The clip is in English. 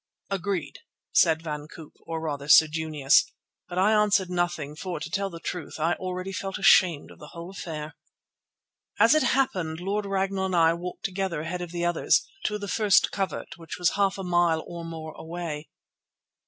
"Agreed," said Van Koop, or, rather, Sir Junius; but I answered nothing, for, to tell the truth, already I felt ashamed of the whole affair. As it happened, Lord Ragnall and I walked together ahead of the others, to the first covert, which was half a mile or more away.